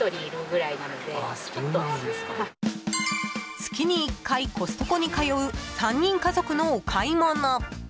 月に１回コストコに通う３人家族のお買い物。